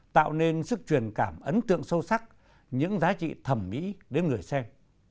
tạo nên sức truyền cảm ấn tượng sâu sắc những giá trị thẩm mỹ đến người xem